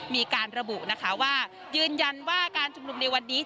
มีการระบุนะคะว่ายืนยันว่าการชุมนุมในวันนี้